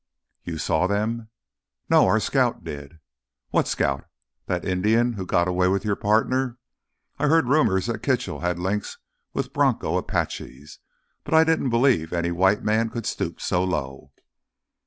"You saw them?" "No, our scout did." "What scout—that Indian who got away with your partner? I heard rumors that Kitchell had links with bronco Apaches, but I didn't believe any white man could stoop so low."